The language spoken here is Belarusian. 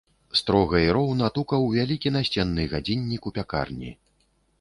Строга і роўна тукаў вялікі насценны гадзіннік у пякарні.